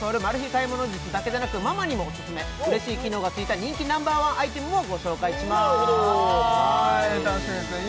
買い物術だけでなくママにもオススメ嬉しい機能がついた人気ナンバーワンアイテムをご紹介します楽しみですね